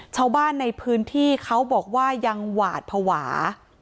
ชาวบ้านในพื้นที่เขาบอกว่ายังหวาดภาวะ